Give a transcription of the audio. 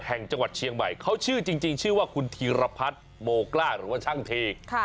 แห่งจังหวัดเชียงใหม่เขาชื่อจริงชื่อว่าคุณธีรพัฒน์โมกล้าหรือว่าช่างเท